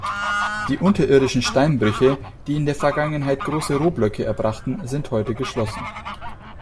Die unterirdischen Steinbrüche, die in der Vergangenheit große Rohblöcke erbrachten, sind heute geschlossen.